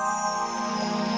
nggak ada yang bisa dikepung